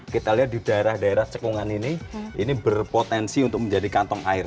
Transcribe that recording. kita lihat di daerah daerah cekungan ini ini berpotensi untuk menjadi kantong air